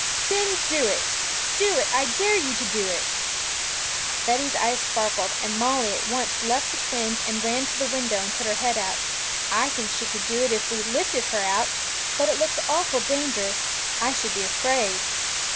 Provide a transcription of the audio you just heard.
'Then do it, do it; I dare you to do it!' Betty's eyes sparkled; and Molly at once left the twins, and ran to the window and put her head out. 'I think she could do it if we lifted her out; but it looks awful dangerous; I should be afraid.'